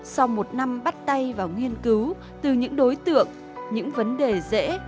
sau một năm bắt tay vào nghiên cứu từ những đối tượng những vấn đề dễ